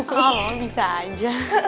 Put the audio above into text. oh bisa aja